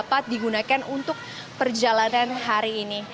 dapat digunakan untuk perjalanan hari ini